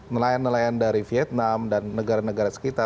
nelayan nelayan dari vietnam dan negara negara sekitar